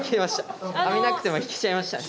網なくてもいけちゃいましたね。